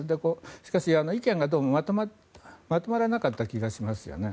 しかし、意見がどうもまとまらなかった気がしますよね。